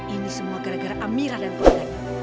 ini semua gara gara amira dan bu leni